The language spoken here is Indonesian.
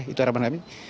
itu harapan kami